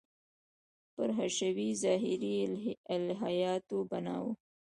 پر حشوي – ظاهري الهیاتو بنا و.